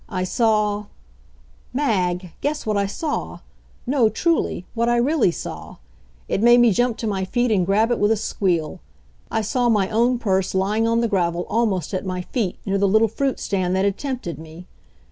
I saw Mag, guess what I saw! No, truly; what I really saw? It made me jump to my feet and grab it with a squeal. I saw my own purse lying on the gravel almost at my feet, near the little fruit stand that had tempted me.